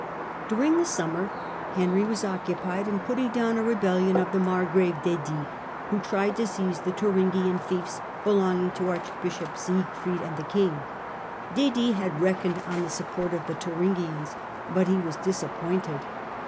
During the summer Henry was occupied in putting down a rebellion of the margrave Dedi, who tried to sappresses soize the Thuringian fiefs belonging to arch ofthe bishop Siegfried and the king. Dedi had SSS^^ reckoned on the support of the Thuringians, but he was disappointed.